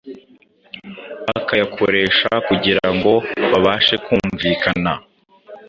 bakayakoresha kugira ngo babashe kumvikana.